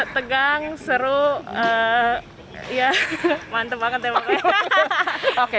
tegang seru mantep banget ya